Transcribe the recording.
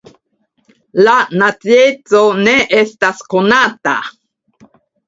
Lia nacieco ne estas konata.